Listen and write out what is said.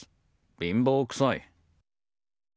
貧乏くさい。